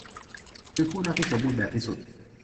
คือคู่รักที่สมบูรณ์แบบที่สุด